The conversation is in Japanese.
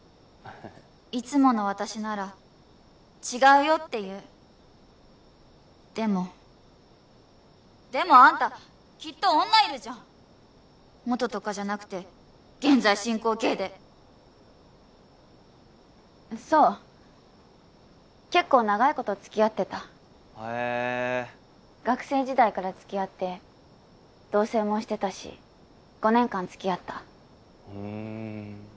いつもの私なら違うよって言うでもでもあんたきっと女いるじゃん元とかじゃなくて現在進行形でそう結構長いこと付き合ってたへえ学生時代から付き合って同棲もしてたし５年間付き合ったふん